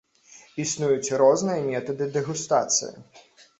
Існуюць розныя метады дэгустацыі.